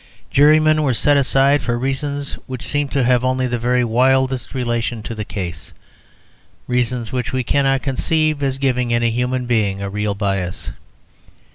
Jurymen were set aside for reasons which seem to have only the very wildest relation to the case reasons which we cannot conceive as giving any human being a real bias.